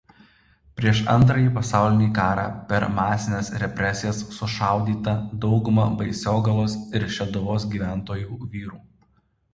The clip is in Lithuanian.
Prieš Antrąjį pasaulinį karą per masines represijas sušaudyta dauguma Baisogalos ir Šeduvos gyventojų vyrų.